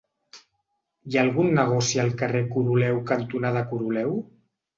Hi ha algun negoci al carrer Coroleu cantonada Coroleu?